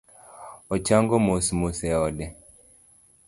Ochango mos mos e ode